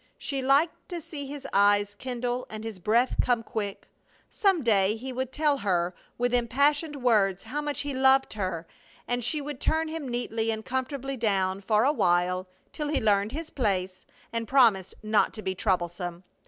She liked to see his eyes kindle and his breath come quick. Some day he would tell her with impassioned words how much he loved her, and she would turn him neatly and comfortably down for a while, till he learned his place and promised not to be troublesome.